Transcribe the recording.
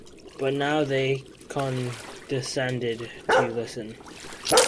But now they condescended to listen.